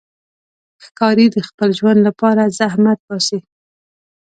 ښکاري د خپل ژوند لپاره زحمت باسي.